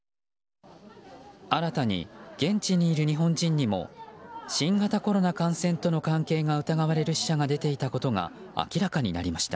新たに現地にいる日本人にも新型コロナ感染との関係が疑われる死者が出ていたことが明らかになりました。